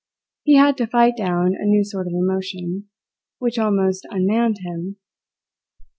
He had to fight down a new sort of emotion, which almost unmanned him.